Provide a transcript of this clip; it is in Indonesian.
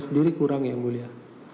jadi kurang yang mulia